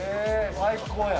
最高やん。